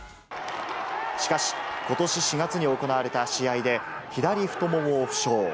しかし、ことし４月に行われた試合で、左太ももを負傷。